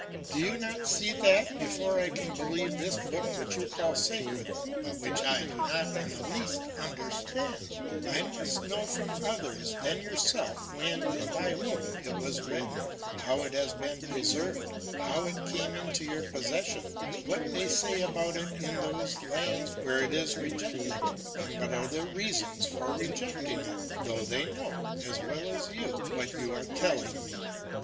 Do you not see that before I can believe this book which you call sacred, but which I do not in the least understand, I must know from others than yourself when and by whom it was written, how it has been preserved, how it came into your possession, what they say about it in those lands where it is rejected, and what are their reasons for rejecting it, though they know as well as you what you are telling me?